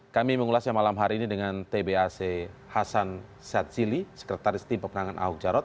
kami mengulasnya malam hari ini dengan tbac hasan satsili sekretaris timpok penangan ahok jarot